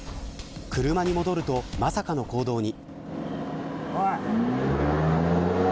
車に戻るとまさかの行動に。